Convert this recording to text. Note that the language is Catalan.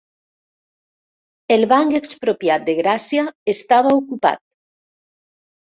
El Banc Expropiat de Gràcia estava ocupat